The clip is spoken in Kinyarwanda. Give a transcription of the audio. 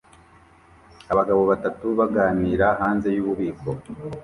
Abagabo batatu baganira hanze yububiko